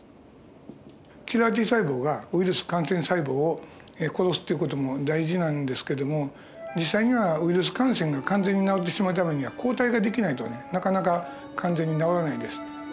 キラーＴ細胞がウイルス感染細胞を殺すっていう事も大事なんですけども実際にはウイルス感染が完全に治ってしまうためには抗体が出来ないとねなかなか完全に治らないです。